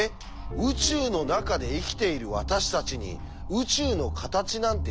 宇宙の中で生きている私たちに宇宙の形なんて分かるわけがない！？